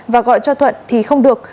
và gọi cho thuận thì không được